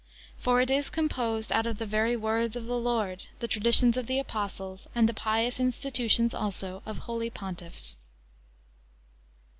For it is composed, out of the very words of the Lord, the traditions of the apostles, and the pious institutions also of holy pontiffs.